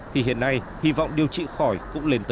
thì hiện nay hy vọng điều trị khỏi cũng lên tới tám mươi